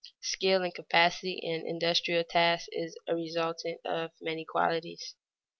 _Skill and capacity in industrial tasks is a resultant of many qualities.